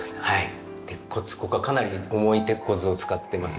ここはかなり重い鉄骨を使ってます。